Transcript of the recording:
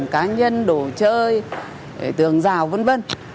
cả nhân đồ chơi tường rào v v